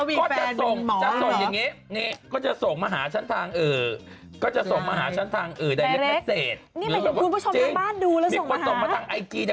มีใครมาฟ้องฉันอย่างนี้ก็จะส่งมาให้ฉันดูอย่างนี้